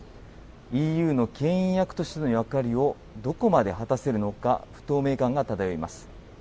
ＥＵのけん引役としての役割をどこまで果たせるのか、不透明感が漂います。